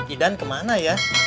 idan kemana ya